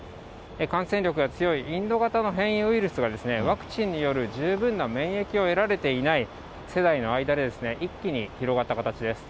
感染力が強いインド型の変異ウイルスがワクチンによる十分な免疫を得られていない世代の間で一気に広がった形です。